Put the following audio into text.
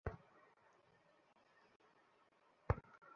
আমাদের মতো দেখতে কাউকে, সন্ত্রাসবাদের দায়ে গ্রেফতার করা হয়েছে।